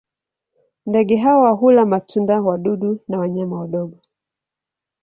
Ndege hawa hula matunda, wadudu na wanyama wadogo.